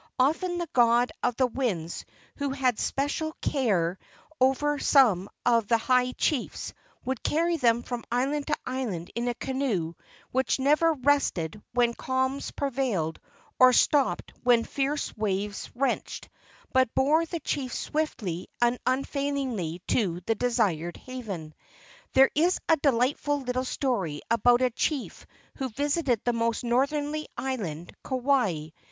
Often the god of the winds, who had special care Acacia koa. 30 LEGENDS OF GHOSTS over some one of the high chiefs, would carry him from island to island in a canoe which never rested when calms prevailed or stopped when fierce waves wrenched, but bore the chief swiftly and unfailingly to the desired haven. There is a delightful little story about a chief who visited the most northerly island, Kauai.